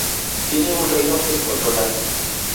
Tiene un reino que controlar.